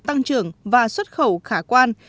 tăng trưởng và xuất khẩu khả quan